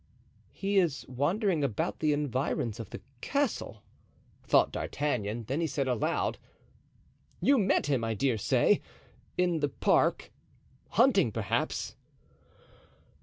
"He is wandering about the environs of the castle," thought D'Artagnan. Then he said aloud: "You met him, I dare say, in the park—hunting, perhaps?"